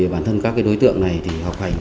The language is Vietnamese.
bản thân các đối tượng này học hành